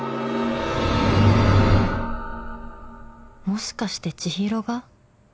［もしかして千尋が？